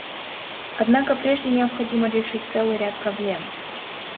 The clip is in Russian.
Однако прежде необходимо решить целый ряд проблем.